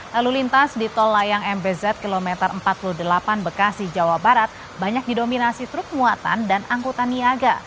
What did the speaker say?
lalu lintas di tol layang mbz kilometer empat puluh delapan bekasi jawa barat banyak didominasi truk muatan dan angkutan niaga